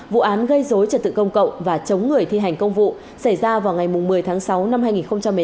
vụ án gây dối trật tự công cộng và chống người thi hành công vụ xảy ra vào ngày một mươi tháng sáu năm hai nghìn một mươi tám